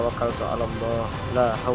aku harus mencobanya